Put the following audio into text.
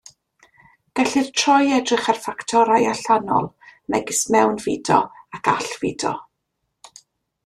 Gellir troi i edrych ar ffactorau allanol, megis mewnfudo ac allfudo.